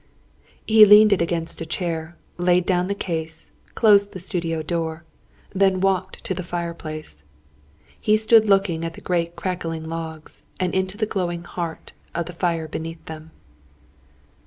He leaned it against a chair, laid down the case, closed the studio door; then walked to the fireplace. He stood looking at the great crackling logs, and into the glowing heart of the fire beneath them.